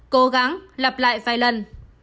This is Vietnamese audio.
cố gắng lặp lại vài lần